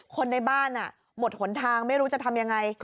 คนในบ้านหมดหนทางไม่รู้จะทำยังไง